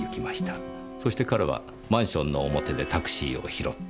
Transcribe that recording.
そして彼はマンションの表でタクシーを拾った。